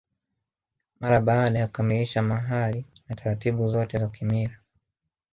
Mara baada ya kukamilisha mahari na taratibu zote za kimila